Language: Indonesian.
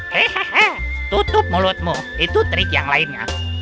hehehe tutup mulutmu itu trik yang lainnya